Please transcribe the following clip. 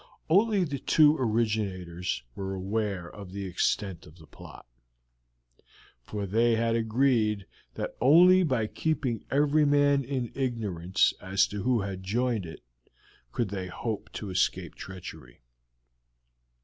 Only the two originators were aware of the extent of the plot; for they had agreed that only by keeping every man in ignorance as to who had joined it could they hope to escape treachery.